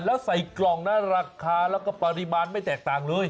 แล้วใส่กล่องนะราคาแล้วก็ปริมาณไม่แตกต่างเลย